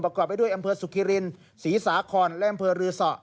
ไปด้วยอำเภอสุขิรินศรีสาคอนและอำเภอรือสอ